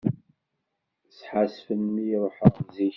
Sḥassfen mi ruḥeɣ zik.